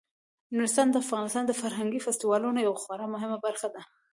نورستان د افغانستان د فرهنګي فستیوالونو یوه خورا مهمه برخه ده.